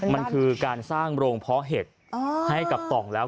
มันคือการสร้างโรงเพาะเห็ดให้กับต่องแล้ว